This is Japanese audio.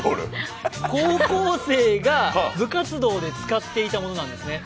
高校生が部活動で使っていたものなんですね。